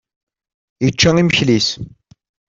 Yečča imekli-is.